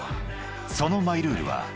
［そのマイルールは］